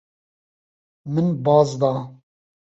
Min baz da.